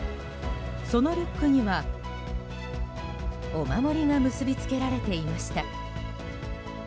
そのリュックにはお守りが結び付けられていました。